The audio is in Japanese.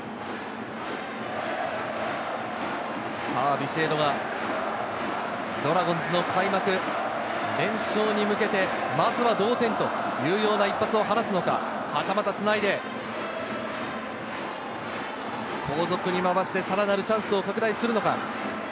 ビシエドがドラゴンズの開幕、連勝に向けて、まずは同点というような一発を放つのか、はたまたつないで、後続に回してさらなるチャンスを拡大するのか？